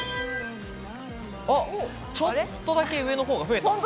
ちょっとだけ上のほうが増えた。